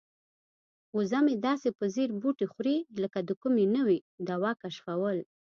وزه مې داسې په ځیر بوټي خوري لکه د کومې نوې دوا کشفول.